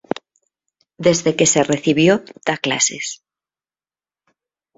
Desde que se recibió da clases.